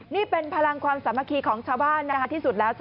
นี่เป็นพลังความสามัคคีของชาวบ้านที่สุดแล้ว